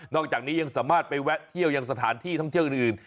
อกจากนี้ยังสามารถไปแวะเที่ยวยังสถานที่ท่องเที่ยวอื่น